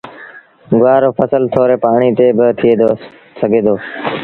گُوآر رو ڦسل ٿوري پآڻيٚ تي با ٿئي سگھي دو